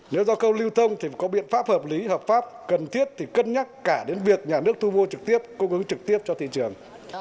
nếu do câu lưu thông thì có biện pháp hợp lý hợp pháp cần thiết thì cân nhắc cả đến việc nhà nước thu mua trực tiếp cung ứng trực tiếp cho thị trường